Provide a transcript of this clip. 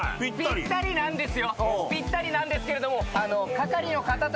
ぴったりなんですけれども。